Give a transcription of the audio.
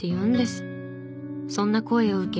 そんな声を受け